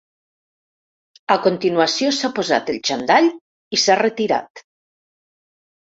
A continuació s’ha posat el xandall i s’ha retirat.